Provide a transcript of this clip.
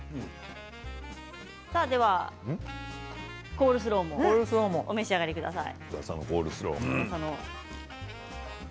コールスローもお召し上がりください。